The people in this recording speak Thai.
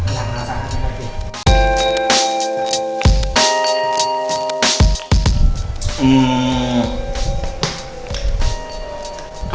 พอลังก์ทางสามนะครับ